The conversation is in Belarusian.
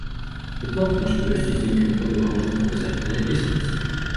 Дыплом, канешне, ёсць, і з нейкай нагоды яго можна паказаць, але які сэнс?